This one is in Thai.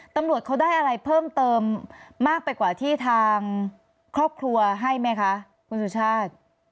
ตำรวจเขาได้อะไรเพิ่มเติมมากไปกว่าที่ทางครอบครัวให้ไหมคะคุณสุชาติ